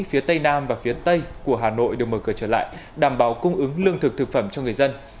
phía tây nam và phía tây của hà nội được mở cửa trở lại đảm bảo cung ứng lương thực thực phẩm cho người dân